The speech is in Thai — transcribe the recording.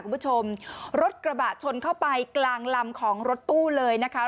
คุณผู้ชมรถกระบะชนเข้าไปกลางลำของรถตู้เลยนะคะ